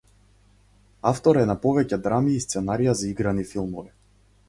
Автор е на повеќе драми и сценарија за играни филмови.